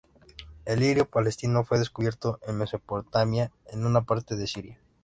El lirio palestino fue descubierto en Mesopotamia, en una parte de Siria.